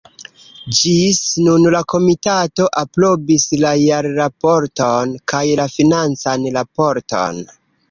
Ĝis nun la komitato aprobis la jarraporton kaj la financan raporton.